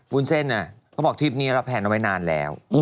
วุ้นเส้นเขาบอกทริปนี้รับแผนเอาไว้นานแล้ว